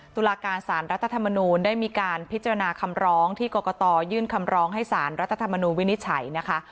ตุลาการสารรัฐธรรมนูลได้มีการพิจารณาคำร้องที่กรกตยื่นคำร้องให้สารรัฐธรรมนูญวินิจฉัยนะคะ